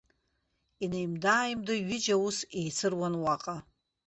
Инеимда-ааимдо ҩыџьа аус еицыруан уаҟа.